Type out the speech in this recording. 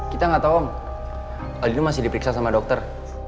kita ga tahu om aldino masih diperiksa sama dokter